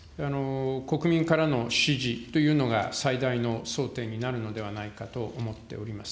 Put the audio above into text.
国民からの支持というのが最大の争点になるのではないかと思っております。